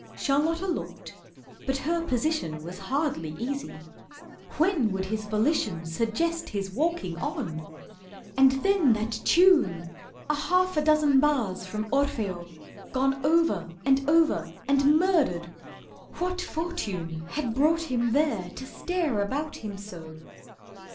Charlotta looked, but her position Was hardly easy. When would his volition Suggest his walking on? And then that tune! A half a dozen bars from 'Orfeo' Gone over and over, and murdered. What Fortune Had brought him there to stare about him so?